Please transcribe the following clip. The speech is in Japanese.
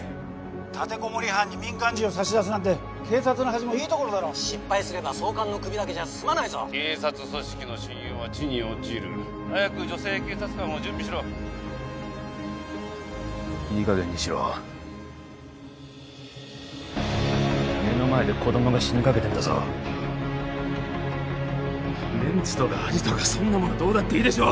立てこもり犯に民間人を差し出すなんて警察の恥もいいところだろ失敗すれば総監の首だけじゃすまないぞ警察組織の信用は地に落ちる早く女性警察官を準備しろいいかげんにしろ目の前で子供が死にかけてんだぞメンツとか恥とかそんなものどうだっていいでしょ